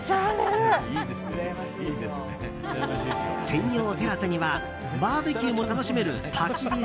専用テラスにはバーベキューも楽しめるたき火